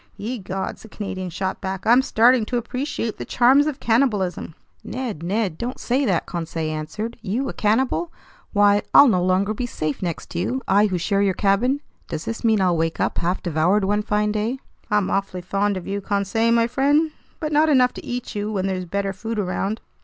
"Ye gods," the Canadian shot back, "I'm starting to appreciate the charms of cannibalism!" "Ned, Ned! Don't say that!" Conseil answered. "You a cannibal? Why, I'll no longer be safe next to you, I who share your cabin! Does this mean I'll wake up half devoured one fine day?" "I'm awfully fond of you, Conseil my friend, but not enough to eat you when there's better food around."